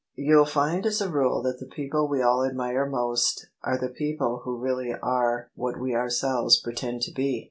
You'll find as a rule that the people we all admire most are the» people who really are what we ourselves pre tend to be."